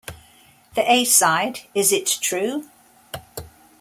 The A-side Is It True?